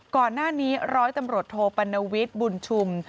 ก่อนหน้านี้ร้อยตำรวจโทปัณวิทย์บุญชุม